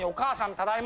ただいま。